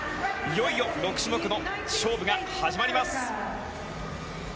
いよいよ６種目の勝負が始まります。